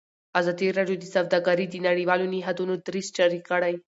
ازادي راډیو د سوداګري د نړیوالو نهادونو دریځ شریک کړی.